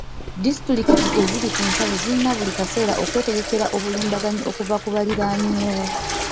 Disitulikiti eziri ku nsalo zirina buli kaseera okwetegekera obulumbaganyi okuva ku baliraanyewo.